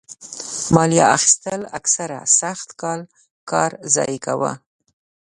مالیه اخیستل اکثره سخت کال کار ضایع کاوه.